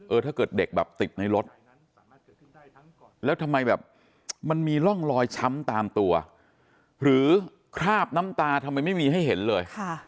ถ้าเกิดเด็กแบบติดในรถแล้วทำไมแบบมันมีร่องรอยช้ำตามตัวหรือคราบน้ำตาทำไมไม่มีให้เห็นเลย